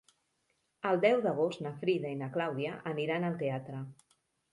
El deu d'agost na Frida i na Clàudia aniran al teatre.